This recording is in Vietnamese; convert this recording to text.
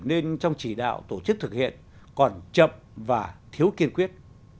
nên trong chỉ đạo tổ chức thực hiện còn chậm và thiếu kiên quyết